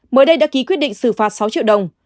mới đây đã ký quyết định xử phạt sáu triệu đồng